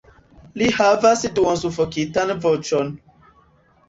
Li havas duonsufokitan voĉon.